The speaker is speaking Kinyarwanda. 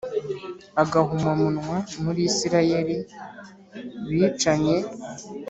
agahomamunwa muri Isirayeli bicanye